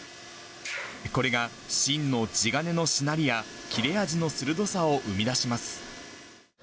これが芯の地金のしなりや、切れ味の鋭さを生み出します。